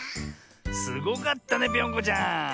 すごかったねぴょんこちゃん。